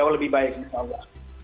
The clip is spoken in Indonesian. lebih baik insya allah